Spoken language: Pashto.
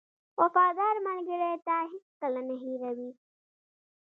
• وفادار ملګری تا هېڅکله نه هېروي.